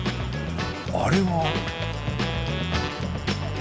あれは